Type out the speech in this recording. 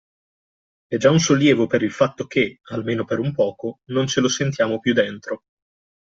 È già un sollievo per il fatto che, almeno per un poco, non ce lo sentiamo più dentro.